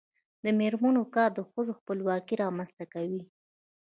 د میرمنو کار د ښځو خپلواکي رامنځته کوي.